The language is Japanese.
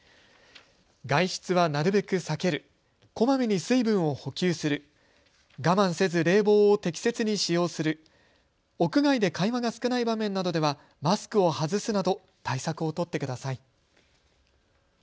外出はなるべく避ける、こまめに水分を補給する、我慢せず冷房を適切に使用する、屋外で会話が少ない場面などではマスクを外すなど対策を取ってください。